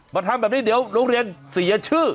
ทำแบบนี้เดี๋ยวโรงเรียนเสียชื่อ